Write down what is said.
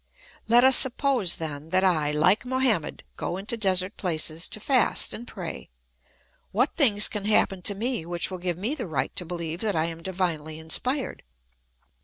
Let us suppose, then, that I, Hke Mohammed, go into desert places to fast and pray ; what things can happen to me which will give me the right to beheve that I am divinely inspired